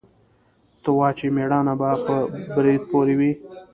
ته وا چې مېړانه به په برېت پورې وي.